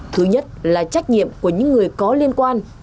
thứ nhất là trách nhiệm của những người có liên quan